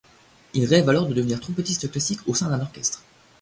Il rêve alors de devenir trompettiste classique au sein d'un orchestre.